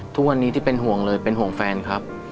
ทุกวันนี้ที่เป็นห่วงเลยเป็นห่วงแฟนครับ